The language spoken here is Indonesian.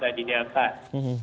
bahkan lebih cepat dari delta